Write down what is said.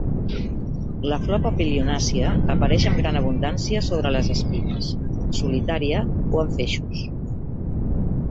La flor papilionàcia apareix amb gran abundància sobre les espines, solitària o en feixos.